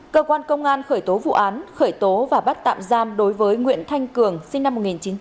cơ quan công an khởi tố vụ án khởi tố và bắt tạm giam đối với nguyễn thanh cường sinh năm một nghìn chín trăm tám mươi